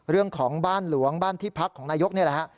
เรื่องของบ้านหลวงบ้านที่พักของนายกนี่แหละฮะ